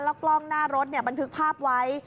แล้วกล้องหน้ารถมันถึงภาพไว้